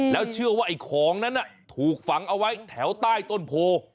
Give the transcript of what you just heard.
แล้วเชื่อว่าไอ้ของนั้นถูกฝังเอาไว้แถวใต้ต้นโพ